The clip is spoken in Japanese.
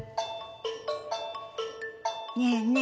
ねえねえ